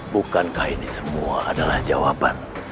bukankah ini semua adalah jawaban